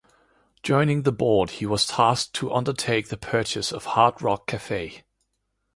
Joining the board, he was tasked to undertake the purchase of Hard Rock Cafe.